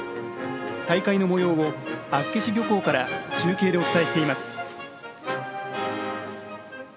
大会のもようを厚岸漁港から中継でお伝えしています。